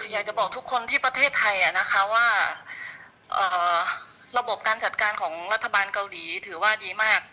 อยากจะบอกทุกคนที่ประเทศไทยนะคะว่าระบบการจัดการของรัฐบาลเกาหลีถือว่าดีมาก